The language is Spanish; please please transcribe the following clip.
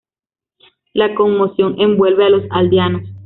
La conmoción envuelve a los aldeanos.